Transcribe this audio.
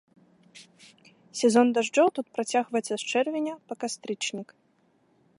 Сезон дажджоў тут працягваецца з чэрвеня па кастрычнік.